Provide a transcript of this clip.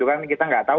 kita nggak tahu